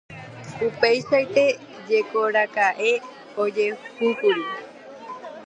Upeichaite jekoraka'e ojehúkuri.